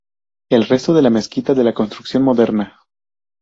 El resto de la mezquita es de construcción moderna.